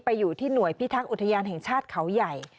อยู่ที่หน่วยพิทักษ์อุทยานแห่งชาติเขาใหญ่